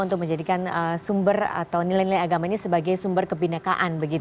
untuk menjadikan sumber atau nilai nilai agama ini sebagai sumber kebhinakaan begitu ya